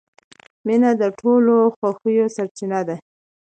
• مینه د ټولو خوښیو سرچینه ده.